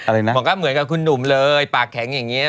อะไรนะบอกว่าเหมือนกับคุณหนุ่มเลยปากแข็งอย่างเงี้ย